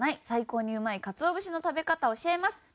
最高にうまい鰹節の食べ方を教えます。